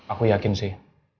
aku yakin sih